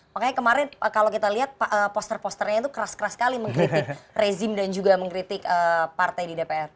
makanya kemarin kalau kita lihat poster posternya itu keras keras sekali mengkritik rezim dan juga mengkritik partai di dpr